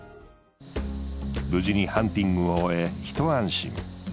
無事にハンティングを終え一安心。